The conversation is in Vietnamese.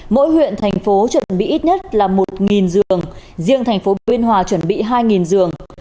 mỗi huyện thành phố chuẩn bị ít nhất là một giường riêng thành phố biên hòa chuẩn bị hai giường